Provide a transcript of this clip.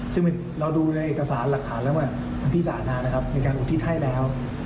ซึ่งเราดูในเอกสารหลักฐานแล้วว่ามันที่สาธารณะนะครับมีการอุทิศให้แล้ว